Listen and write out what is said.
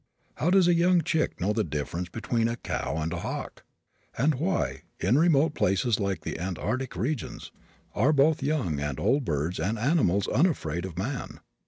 How does a young chick know the difference between a crow and a hawk? And why, in remote places like the antarctic regions, are both young and old birds and animals unafraid of man?